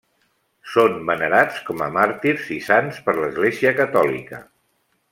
Són venerats com a màrtirs i sants per l'Església catòlica.